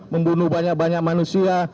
membunuh banyak banyak manusia